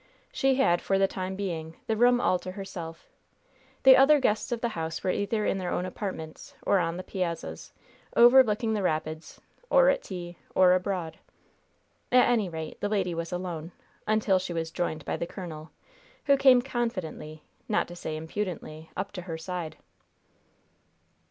She had, for the time being, the room all to herself. The other guests of the house were either in their own apartments, or on the piazzas, overlooking the rapids, or at tea, or abroad. At any rate, the lady was alone, until she was joined by the colonel, who came confidently, not to say impudently, up to her side.